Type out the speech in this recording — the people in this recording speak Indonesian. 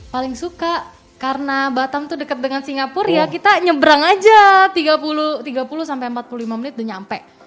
paling suka karena batam itu dekat dengan singapura ya kita nyebrang aja tiga puluh sampai empat puluh lima menit udah nyampe